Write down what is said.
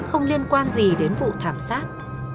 không liên quan gì đến vụ thảm sát